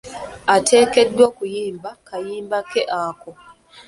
Ateekeddwa okuyimba kayimba ke ako.